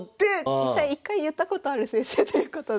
実際一回言ったことある先生ということで。